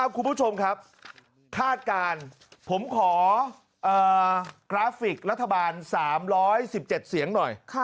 คุณผู้ชมครับคาดการณ์ผมขอกราฟิกรัฐบาล๓๑๗เสียงหน่อย